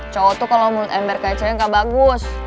cowok tuh kalo menurut ember kayak cik gak bagus